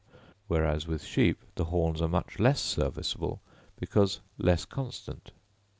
whereas with sheep the horns are much less serviceable, because less constant.